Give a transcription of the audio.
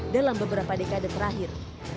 dalam beberapa dekade terakhir